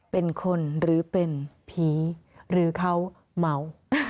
เป็นคนหรือเป็นผีหรือเขาเมา